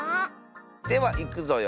ではいくぞよ。